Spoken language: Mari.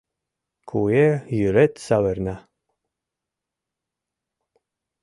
Куэ йырет савырна.